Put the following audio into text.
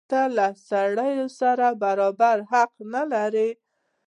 ته له سړي سره برابر حق نه لرې.